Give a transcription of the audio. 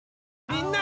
みんな！